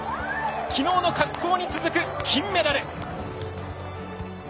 きのうの滑降に続く金メダル！